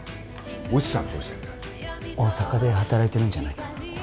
越智さんどうしてんだ大阪で働いてるんじゃないかなああ